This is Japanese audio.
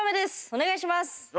お願いします。